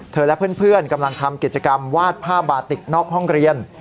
และเพื่อนกำลังทำกิจกรรมวาดผ้าบาติกนอกห้องเรียน